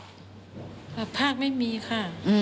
ระดับภาคไม่มีค่ะ